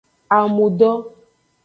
Amudo.